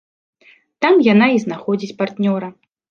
Там яна і знаходзіць партнёра.